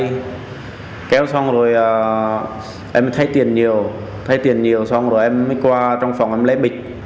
kéo bằng tay kéo xong rồi em thay tiền nhiều thay tiền nhiều xong rồi em mới qua trong phòng em lấy bịch